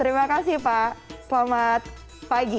terima kasih pak selamat pagi